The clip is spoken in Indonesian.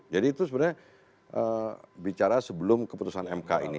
jadi itu sebenarnya bicara sebelum keputusan mk ini